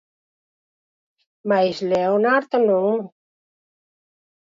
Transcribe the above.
Mais Leonard non.